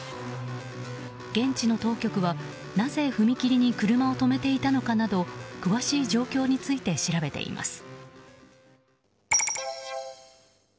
現地の当局は、なぜ踏切に車を止めていたのかなど詳しい状況について調べています。